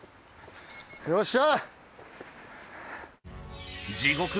よっしゃ！